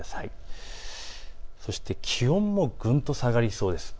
そして、気温もぐんと下がりそうです。